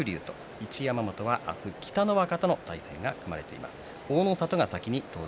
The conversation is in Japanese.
一山本は明日、北の若との対戦が組まれています。